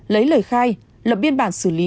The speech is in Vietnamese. lấy lời khai lập biên bản xử lý